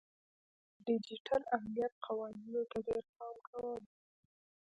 زه د ډیجیټل امنیت قوانینو ته ډیر پام کوم.